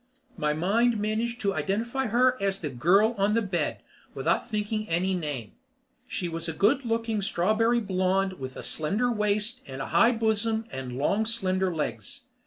My mind managed to identify her as "The girl on the bed" without thinking any name. She was a good looking strawberry blonde with a slender waist and a high bosom and long, slender legs.